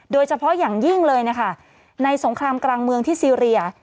โดยเฉพาะอย่างยิ่งเลยนะคะในสงครามกลางเมืองที่ซีเรีย